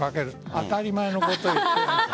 当たり前のことを言っている。